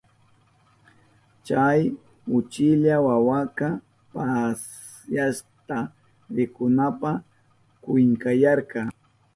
Chay uchilla wawaka pasyakta rikunanpa kunkayarka.